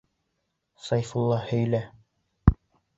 Сәйфулла, һөйлә!